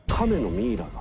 ミイラが？